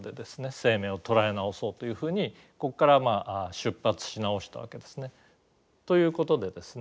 生命を捉え直そうというふうにここからまあ出発し直したわけですね。ということでですね